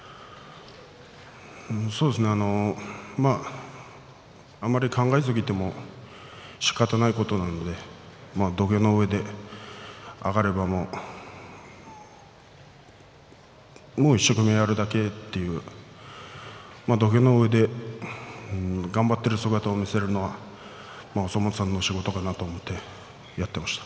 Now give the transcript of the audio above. そうですね、まああまり考えすぎてもしかたないことなので土俵の上で上がればもう一生懸命やるだけという土俵の上で頑張っている姿を見せるのがお相撲さんの仕事かなと思ってやっていました。